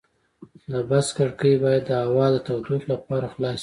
د بس کړکۍ باید د هوا د تودوخې لپاره خلاصې شي.